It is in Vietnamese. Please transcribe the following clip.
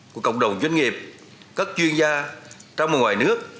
của cộng đồng doanh nghiệp các chuyên gia trong và ngoài nước